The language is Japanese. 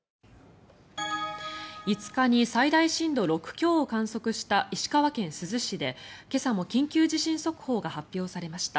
５日に最大震度６強を観測した石川県珠洲市で今朝も緊急地震速報が発表されました。